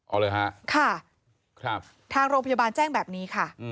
เอาเลยฮะค่ะทางโรงพยาบาลแจ้งแบบนี้ค่ะ